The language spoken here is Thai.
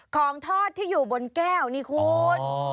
ของทอดที่อยู่บนแก้วนี่คุณ